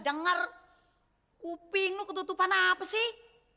dengar kuping lu ketutupan apa sih